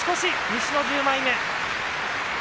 西の１０枚目。